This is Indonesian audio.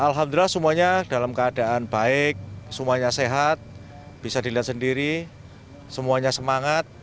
alhamdulillah semuanya dalam keadaan baik semuanya sehat bisa dilihat sendiri semuanya semangat